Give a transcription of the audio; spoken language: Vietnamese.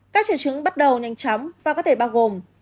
các triệu chứng bắt đầu nhanh chóng và có thể bao gồm